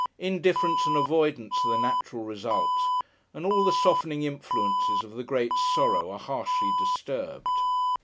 Indifference and avoidance are the natural result; and all the softening influences of the great sorrow are harshly disturbed.